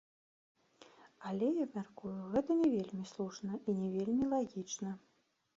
Але я мяркую, гэта і не вельмі слушна, і не вельмі лагічна.